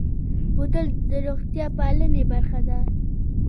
بوتل د روغتیا پالنې برخه ده.